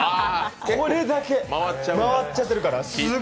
これだけ、すごい勢いで回っちゃってるから。